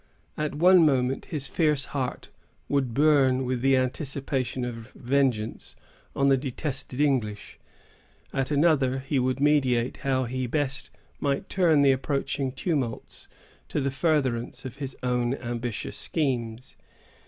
At one moment, his fierce heart would burn with the anticipation of vengeance on the detested English; at another, he would meditate how he best might turn the approaching tumults to the furtherance of his own ambitious schemes.